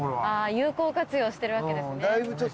有効活用しているわけですね。